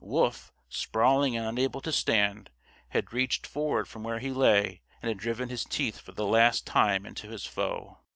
Wolf, sprawling and unable to stand, had reached forward from where he lay and had driven his teeth for the last time into his foe.